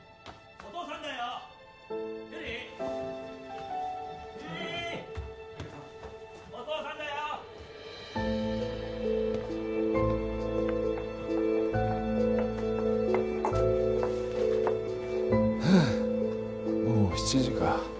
お父さんだよ！はあもう７時か。